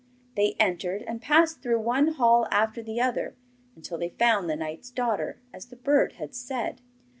They entered and passed through one hall after the other, until they found the knight's daughter, as the bird had said.